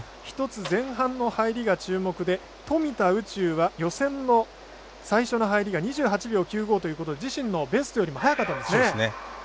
１つ前半の入りが注目で富田宇宙は予選の最初の入りが２８秒９５ということで自身のベストよりも速かったんですね。